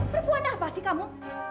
perempuan apa sih kamu